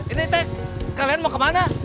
ini teh kalian mau kemana